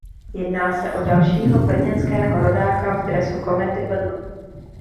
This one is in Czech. Jedná se o dalšího brněnského rodáka v dresu Komety Brno.